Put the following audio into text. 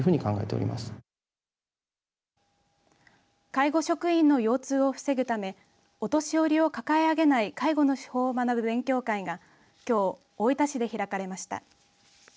介護職員の腰痛を防ぐためお年寄りを抱え上げない介護の手法を学ぶ勉強会がきょう、大分市で開かれました。